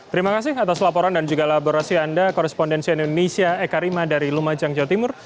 terima kasih atas laporan dan juga elaborasi anda korespondensi indonesia eka rima dari lumajang jawa timur